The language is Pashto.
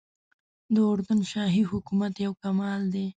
د اردن شاهي حکومت یو کمال دی.